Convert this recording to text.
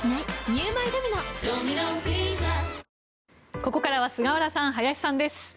ここからは菅原さん、林さんです。